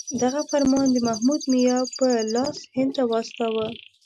دغه فرمان د محمود میا په لاس هند ته واستاوه.